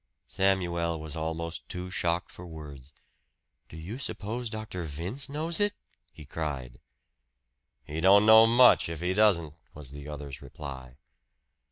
Samuel was almost too shocked for words. "Do you suppose Dr. Vince knows it?" he cried. "He don't know much if he doesn't," was the other's reply.